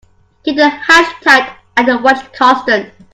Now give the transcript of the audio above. Keep the hatch tight and the watch constant.